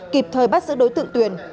kịp thời bắt giữ đối tượng tuyền